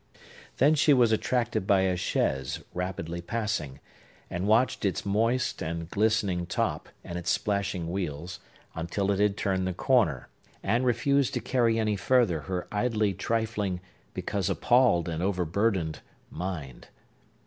Then she was attracted by a chaise rapidly passing, and watched its moist and glistening top, and its splashing wheels, until it had turned the corner, and refused to carry any further her idly trifling, because appalled and overburdened, mind.